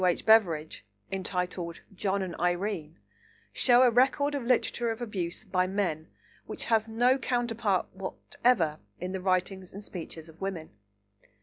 H. Beveridge, entitled John and Irene, show a record of literature of abuse by men which has no counterpart whatever in the writings and speeches of women.